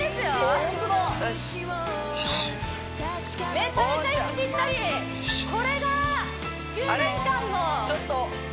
めちゃめちゃ息ぴったりこれが９年間のコンビ愛ですかね